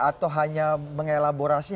atau hanya mengelaborasi